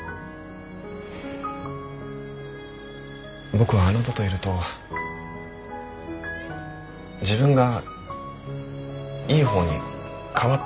僕はあなたといると自分がいい方に変わっていけると思える。